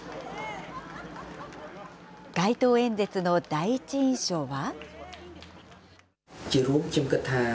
街頭演説の第一印象は。